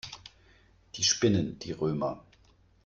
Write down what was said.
Die spinnen, die Römer.